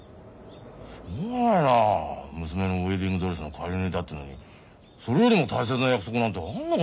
しょうがないな娘のウエディングドレスの仮縫いだっていうのにそれよりも大切な約束なんてあんのかねえ！